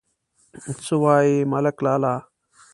_څه وايي ملک لالا!